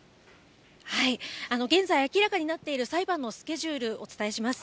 現在、明らかになっている裁判のスケジュール、お伝えします。